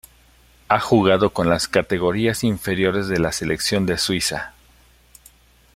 Ha jugado con las categorías inferiores de la selección de Suiza.